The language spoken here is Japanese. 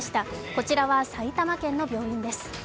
こちらは埼玉県の病院です。